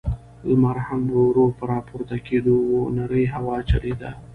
لمر هم ورو، ورو په راپورته کېدو و، نرۍ هوا چلېده.